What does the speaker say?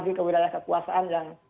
bagi kewirausahaan kekuasaan yang